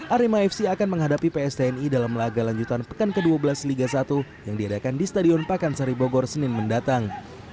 arema fc akan menghadapi pstni dalam laga lanjutan pekan ke dua belas liga satu yang diadakan di stadion pakansari bogor senin mendatang